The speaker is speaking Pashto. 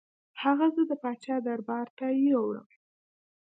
هغه زه د پاچا دربار ته یووړم.